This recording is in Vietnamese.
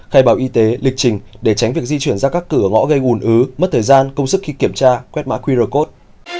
khai báo y tế lịch trình để tránh việc di chuyển ra các cửa ngõ gây ủn ứ mất thời gian công sức khi kiểm tra quét mã qr code